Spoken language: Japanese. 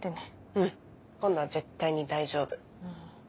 うん今度は絶対に大丈夫。